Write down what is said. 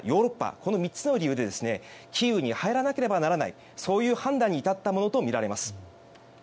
この３つの理由でキーウに入らなければいけないという判断に至ったものと思われます。